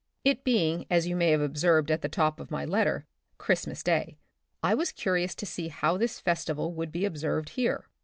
It being, as you may have observed at the top of my letter, Christmas Day, I was curious to see how this festival would be observed here.